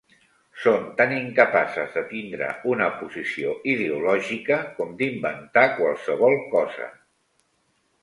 Són tan incapaces de tindre una posició ideològica com d'inventar qualsevol cosa.